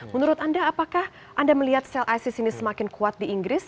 menurut anda apakah anda melihat sel isis ini semakin kuat di inggris